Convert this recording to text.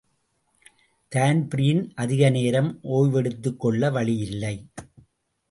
Dan Breen அதிக நேரம் ஓய்வெடுத்துக்கொள்ள வழியில்லை.